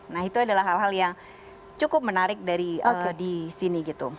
nah itu adalah hal hal yang cukup menarik di sini gitu